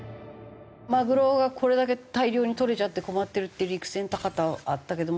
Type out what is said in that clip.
マグロがこれだけ大量にとれちゃって困ってるっていう陸前高田あったけども。